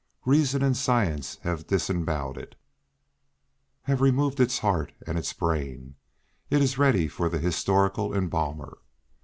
Reason and science have disembowelled it, have removed its heart and its brain. It is ready for the historical embalmer.